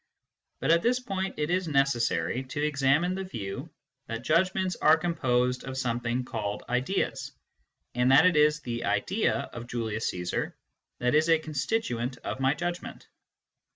But at this point it is necessary to examine the view that judgments are com posed of something called " ideas," and that it is the " idea " of Julius Caesar that is a constituent of my judgment.